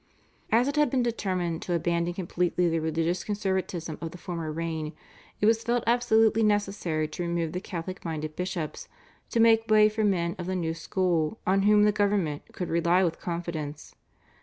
As it had been determined to abandon completely the religious conservatism of the former reign it was felt absolutely necessary to remove the Catholic minded bishops, to make way for men of the new school on whom the government could rely with confidence.